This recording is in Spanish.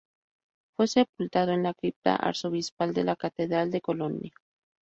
Fue sepultado en la cripta arzobispal de la Catedral de Colonia.